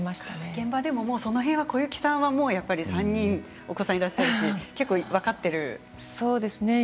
現場でもその辺は小雪さんは３人お子さんがいらっしゃるし分かっている詳しいというか。